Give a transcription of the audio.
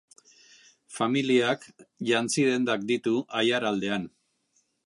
Familiak jantzi dendak ditu Aiaraldean.